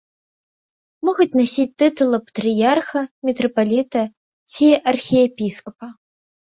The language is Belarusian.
Могуць насіць тытулы патрыярха, мітрапаліта ці архіепіскапа.